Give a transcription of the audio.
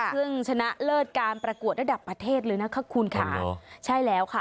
ชนะเลิศการประกวดระดับประเทศเลยนะคะคุณค่ะใช่แล้วค่ะ